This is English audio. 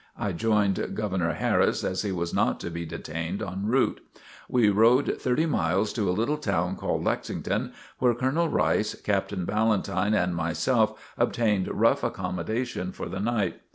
I joined Governor Harris as he was not to be detained en route. We rode thirty miles to a little town called Lexington, where Colonel Rice, Captain Ballentine and myself obtained rough accommodations for the night.